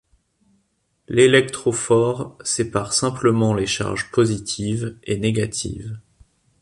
L'électrophore sépare simplement les charges positives et négatives.